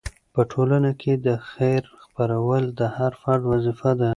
په ټولنه کې د خیر خپرول د هر فرد وظیفه ده.